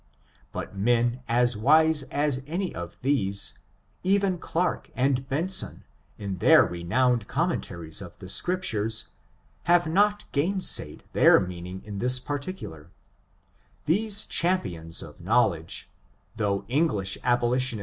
lint men as wise as any of these, even Clarke and Hknhon, in tlieir renowned commentaries of the Ncripturrs, have not gainsaid their meaning in this jiurticuhir: these champions of knowledge, though liUglish alM)Iitioni.